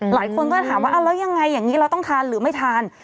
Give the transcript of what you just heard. หลายคนก็ถามว่าแล้วยังไงอย่างนี้เราต้องทานหรือไม่ทาน